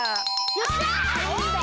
よっしゃあ！